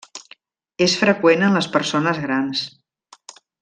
És freqüent en les persones grans.